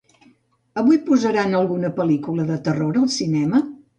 Avui posaran alguna pel·lícula de terror al cinema?